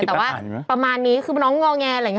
แต่ว่าประมาณนี้คือน้องงอแงอะไรอย่างนี้